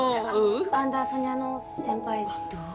アンダーソニアの先輩です